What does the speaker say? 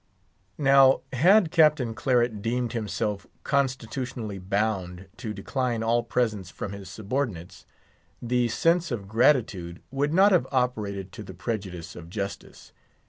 Now had Captain Claret deemed himself constitutionally bound to decline all presents from his subordinates, the sense of gratitude would not have operated to the prejudice of justice.